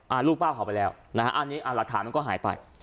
ลูกป้าเผาไปแล้วนะฮะอันนี้อ่าหลักฐานมันก็หายไป